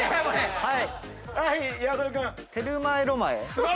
はい！